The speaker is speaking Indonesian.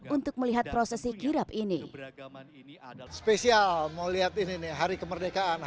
untuk melihat prosesi kirap ini adalah spesial mau lihat ini hari kemerdekaan